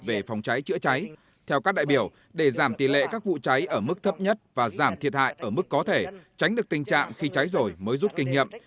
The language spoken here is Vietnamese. về phòng cháy chữa cháy theo các đại biểu để giảm tỷ lệ các vụ cháy ở mức thấp nhất và giảm thiệt hại ở mức có thể tránh được tình trạng khi cháy rồi mới rút kinh nghiệm